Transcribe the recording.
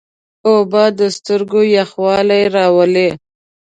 اوبه د سترګو یخوالی راولي.